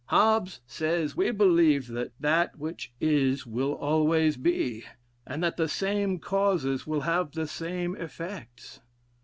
Hobbes says, 'We believe that, that which is will always be, and that the same causes will have the same effects.'